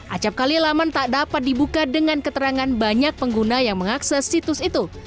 acapkali laman tak dapat dibuka dengan keterangan banyak pengguna yang mengakses situs itu